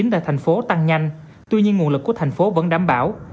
tại thành phố tăng nhanh tuy nhiên nguồn lực của thành phố vẫn đảm bảo